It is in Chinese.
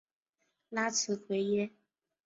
拉兹奎耶。